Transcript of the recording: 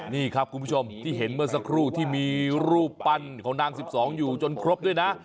นี่ครับคุณผู้ชมที่เห็นเมื่อสักครู่ที่มีรูปปั้นของนาง๑๒อยู่จนครบด้วยนะ